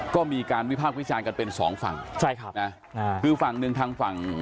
ก็มีการวิพากษ์วิจารณ์กันเป็นสองฝั่งใช่ครับนะคือฝั่งหนึ่งทางฝั่ง